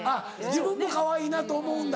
自分もかわいいなと思うんだ。